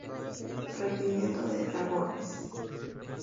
Regimiento de Dragones.